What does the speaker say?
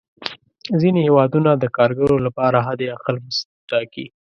ځینې هېوادونه د کارګرو لپاره حد اقل مزد ټاکي.